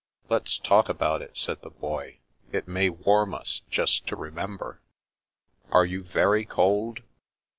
"Let*s talk about it," said the Boy. "It may warm us, just to remember.' " Are you very cold